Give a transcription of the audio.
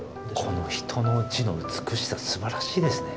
この人の字の美しさすばらしいですね。